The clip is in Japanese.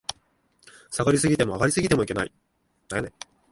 下がり過ぎても、上がり過ぎてもいけない